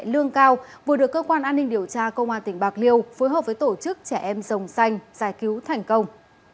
lương cao vừa được cơ quan an ninh điều tra công an tỉnh bạc liêu phối hợp với tổ chức trẻ em rồng xanh giải cứu thành công